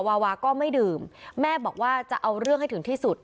วาวาก็ไม่ดื่มแม่บอกว่าจะเอาเรื่องให้ถึงที่สุด